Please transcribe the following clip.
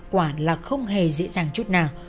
quả là không hề dễ dàng chút nào